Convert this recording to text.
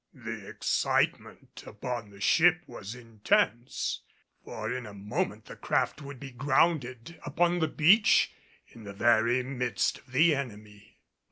The excitement upon the ship was intense, for in a moment the craft would be grounded upon the beach in the very midst of the enemy.